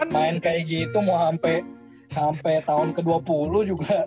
main kayak gitu mau sampe tahun ke dua puluh juga saatnya yang ngeblok